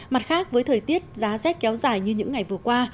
mặt khác với thời tiết giá rét kéo dài như những ngày vừa qua